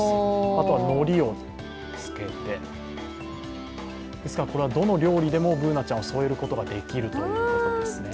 あとはのりをつけてこれはどの料理でもＢｏｏｎａちゃんを添えることができるということですね。